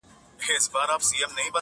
وروستی دیدن دی بیا به نه وي دیدنونه؛